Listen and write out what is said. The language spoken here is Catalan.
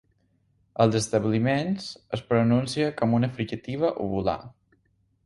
Als establiments, es pronuncia com una fricativa uvular.